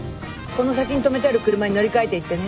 この先に止めてある車に乗り換えていってね。